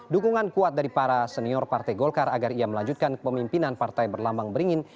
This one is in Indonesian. dukungan kuat dari para senior partai golkar agar ia melanjutkan kepemimpinan partai berlambang beringin